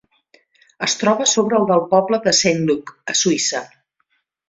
Es troba a sobre del poble de Saint-Luc, a Suïssa.